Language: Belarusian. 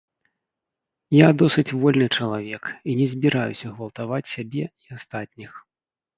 Я досыць вольны чалавек і не збіраюся гвалтаваць сябе і астатніх.